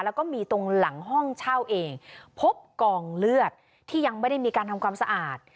แล้วก็มีตรงหลังห้องเช่าเองพบกองเลือดที่ยังไม่ได้มีการทำความสะอาด